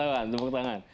tepuk tangan tepuk tangan